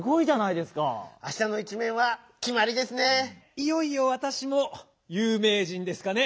いよいよわたしもゆう名人ですかね。